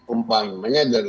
umpama yang mana dari